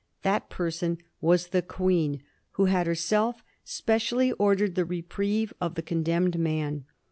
That person was the Queen, who had herself specially ordered the reprieve of the con demned man.